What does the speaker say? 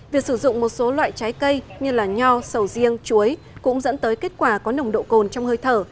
việc sử dụng một số loại trái cây như nho sầu riêng chuối cũng dẫn tới kết quả có nồng độ cồn trong hơi thở